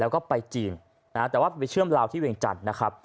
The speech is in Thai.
แล้วก็ไปจีนแต่ว่าไปเชื่อมลาวที่เวียงจันทร์